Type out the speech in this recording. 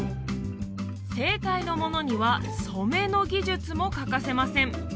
正解のものには染めの技術も欠かせません